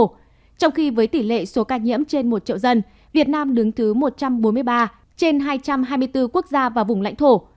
trong khi với tỷ lệ số ca nhiễm trên một triệu dân việt nam đứng thứ một trăm bốn mươi ba trên hai trăm hai mươi bốn quốc gia và vùng lãnh thổ